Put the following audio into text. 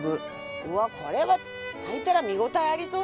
うわっこれは咲いたら見応えありそうですね。